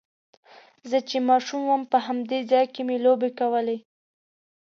زه چې ماشوم وم په همدې ځای کې مې لوبې کولې.